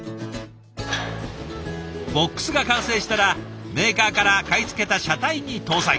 ＢＯＸが完成したらメーカーから買い付けた車体に搭載。